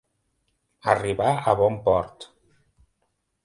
Arribar a bon port.